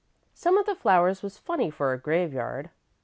"Some of the flowers was funny for a graveyard.